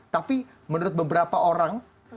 tapi menurut beberapa orang